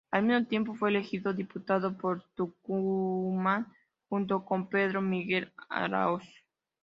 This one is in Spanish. Al mismo tiempo fue elegido diputado por Tucumán junto con Pedro Miguel Aráoz.